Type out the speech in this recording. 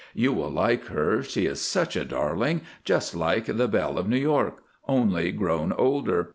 You will like her, she is such a darling—just like the "Belle of New York," only grown older.